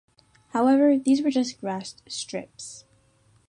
However, these were just grass strips.